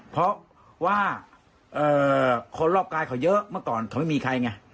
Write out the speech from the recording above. เพราะว่าคนรอบกายเขาเยอะเมื่อก่อนเขาไม่มีใครไง